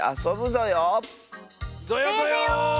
ぞよぞよ。